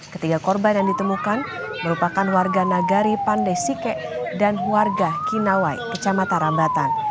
ketiga korban yang ditemukan merupakan warga nagari pandai sike dan warga kinawai kecamatan rambatan